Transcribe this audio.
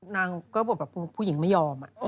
นางก็ภูหยิงไม่โยม